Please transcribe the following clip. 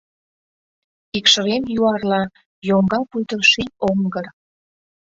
Икшывем юарла — йоҥга пуйто ший оҥгыр.